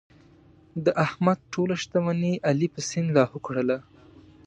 د احمد ټوله شتمني علي په سیند لاهو کړله.